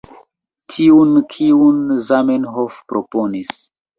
Tiun, kiun Zamenhof proponis.